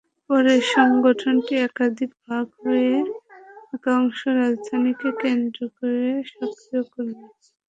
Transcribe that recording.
পরে সংগঠনটি একাধিক ভাগ হয়ে একাংশ রাজধানীকে কেন্দ্র ধরে সক্রিয় হয়।